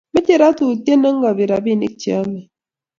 mechei rotutie ne gopi robinik che yamei